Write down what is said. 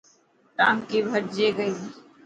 ٽانڪي ڀرجي گئي.